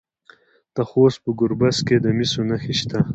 د خوست په ګربز کې د مسو نښې شته.